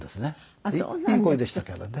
いい声でしたけどね。